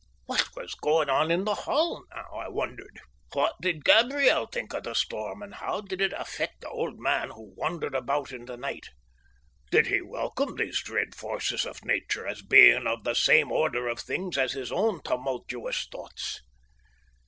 What was going on in the Hall now, I wondered? What did Gabriel think of the storm, and how did it affect the old man who wandered about in the night? Did he welcome these dread forces of Nature as being of the same order of things as his own tumultuous thoughts?